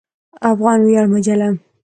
افغان ویاړ مجله